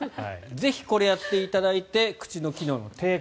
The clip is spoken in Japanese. ぜひ、これをやっていただいて口の機能の低下